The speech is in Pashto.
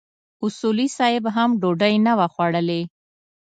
اصولي صیب هم ډوډۍ نه وه خوړلې.